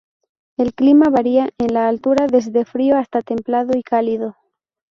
El clima varía con la altura, desde frío hasta templado y cálido.